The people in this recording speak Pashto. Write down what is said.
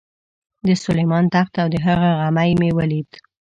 د سلیمان تخت او د هغه غمی مې ولید.